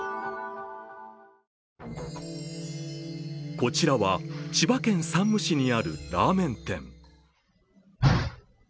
こちらは千葉県山武市にあるラーメン店。